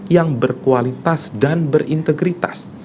yang berkualitas dan berintegritas